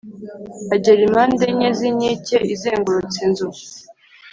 Agera impande enye z inkike izengurutse inzu